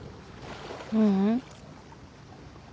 ううん。